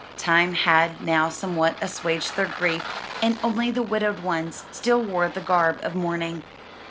Time had now somewhat assuaged their grief, and only the widowed ones still wore the garb of mourning.